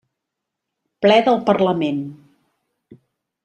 Ple del Parlament.